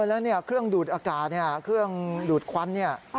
แล้วเนี่ยเครื่องดูดอากาศเนี่ยเครื่องดูดควันเนี่ย